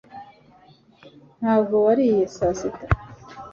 ntabwo wariye saa sita